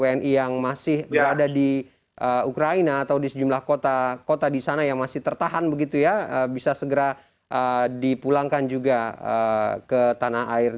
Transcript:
wni yang masih berada di ukraina atau di sejumlah kota kota di sana yang masih tertahan begitu ya bisa segera dipulangkan juga ke tanah air